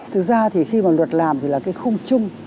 thực ra thì khi mà luật làm thì là cái khung chung